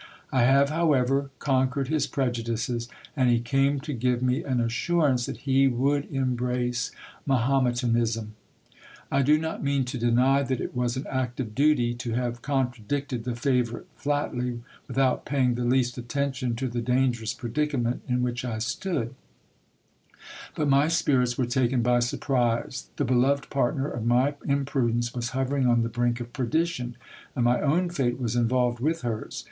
I have, however, conquered his prejudices ; and he came to give me an assurance that he would embrace Mahometanism. I do not mean to deny that it was an act of duty to have contradicted the favourite flatly, without paying the least attention to the dangerous predicament in which I stood : but my spirits were taken by surprise ; the beloved partner of my imprudence was hovering on the brink of perdition ; and my own fate was involved with hers.